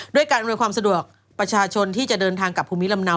ด้วยการอำนวยความสะดวกประชาชนที่จะเดินทางกับภูมิลำเนา